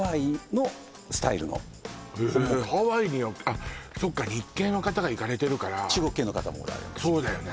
はいええハワイにあっそっか日系の方が行かれてるから中国系の方もおられますそうだよね